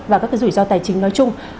và các cái rủi ro tài chính nói chung